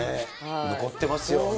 残ってますよね。